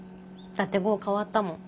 だって剛変わったもん。